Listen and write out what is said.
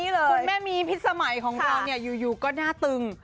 ส่วนแม่มีพิษสมัยของเราเนี่ยอยู่ก็น่าตึง